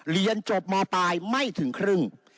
เรียนจบมตายไม่ถึงครึ่ง